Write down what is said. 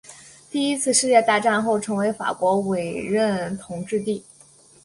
第一次世界大战后成为法国委任统治地。